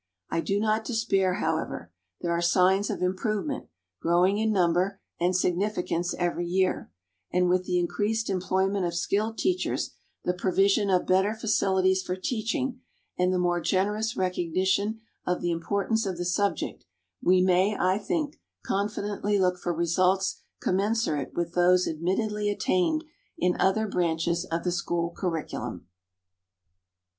I do not despair, however. There are signs of improvement, growing in number and significance every year; and with the increased employment of skilled teachers, the provision of better facilities for teaching, and the more generous recognition of the importance of the subject, we may, I think, confidently look for results commensurate with those admittedly attained in other branches of the school curriculum.